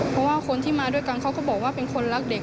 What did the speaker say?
เพราะว่าคนที่มาด้วยกันเขาก็บอกว่าเป็นคนรักเด็ก